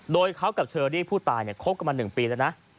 โดยเขากับเชอรี่ผู้ตายคบกันมา๑ปีแล้วนะ